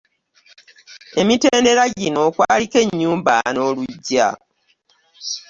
Emitendera gino kwaliko ennyumba n'oluggya.